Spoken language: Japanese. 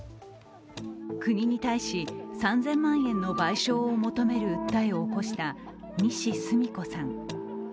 国に対し、３０００万円の賠償を求める訴えを起こした西スミ子さん。